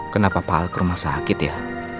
kenapa pak al ke rumah sakit ya